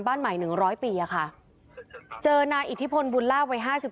บ้านใหม่หนึ่งร้อยปีอะค่ะเจอนายอิทธิพลบุญล่าไว้ห้าสิบ